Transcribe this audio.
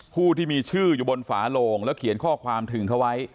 ผู้ที่มีชื่ออยู่บนฝาโลงแล้วเขียนข้อความถึงเขาไว้